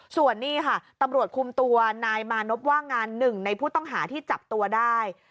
ส่วนนี้ค่ะตำรวจคุมตัวนายมานพว่างงานหนึ่งในผู้ต้องหาที่จับตัวได้